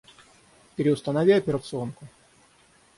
Переустанови операционку.